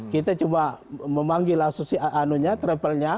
kita cuma memanggil asosiasi anunya travelnya